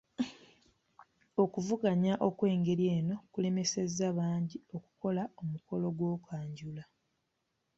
Okuvuganya okw’engeri eno kulemesezza bangi okukola omukolo gw’okwanjula.